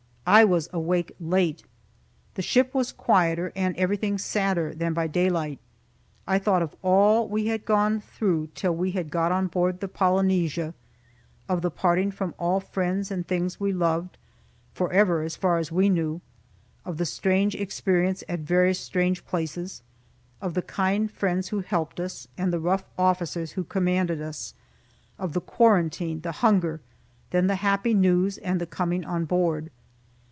I was awake late. The ship was quieter, and everything sadder than by daylight. I thought of all we had gone through till we had got on board the "Polynesia"; of the parting from all friends and things we loved, forever, as far as we knew; of the strange experience at various strange places; of the kind friends who helped us, and the rough officers who commanded us; of the quarantine, the hunger, then the happy news, and the coming on board.